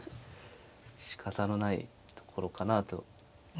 しかたのないところかなと。